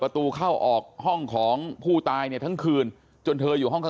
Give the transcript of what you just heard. เข้าออกห้องของผู้ตายเนี่ยทั้งคืนจนเธออยู่ห้องเข้า